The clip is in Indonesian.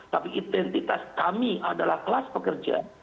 tapi identitas kami adalah kelas pekerja